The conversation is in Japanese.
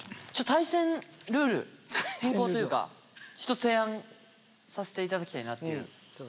対戦ルール変更というか、１つ提案させていただきたいなっていう。